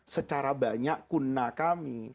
secara banyak kuna kami